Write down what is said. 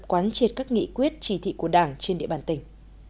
quán triệt các nghị quyết chỉ thị của đảng trên địa bàn tỉnh